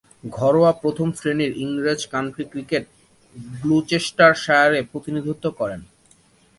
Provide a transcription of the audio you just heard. ঘরোয়া প্রথম-শ্রেণীর ইংরেজ কাউন্টি ক্রিকেটে গ্লুচেস্টারশায়ারের প্রতিনিধিত্ব করেন।